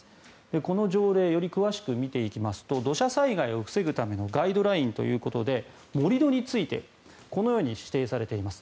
この条例をより詳しく見ていきますと土砂災害を防ぐためのガイドラインということで盛り土についてこのように指定されています。